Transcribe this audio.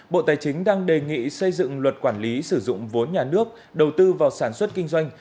bộ tài chính đang đề nghị xây dựng luật quản lý sử dụng vốn nhà nước đầu tư vào sản xuất kinh doanh